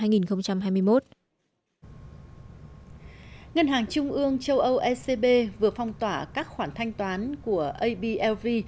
ngân hàng trung ương châu âu ecb vừa phong tỏa các khoản thanh toán của ab